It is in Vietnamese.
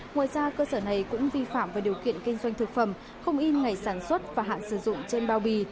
ngoài ra cơ sở này cũng vi phạm về điều kiện kinh doanh thực phẩm không in ngày sản xuất và hạn sử dụng trên bao bì